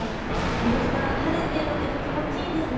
この時間晴れてとても気持ちいいです。